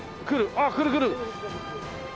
ああ来る来る！